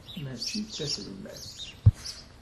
Mačči d taselmadt.